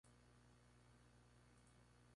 El Valle de Mena pertenece a la vertiente cantábrica.